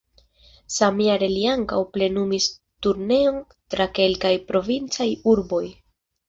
Samjare li ankaŭ plenumis turneon tra kelkaj provincaj urboj.